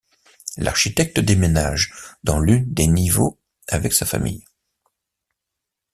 L'architecte déménage dans l'une des niveaux avec sa famille.